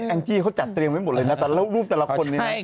อังกฎเขาจัดเตรียมไปหมดเลยให้รูปแต่ละคน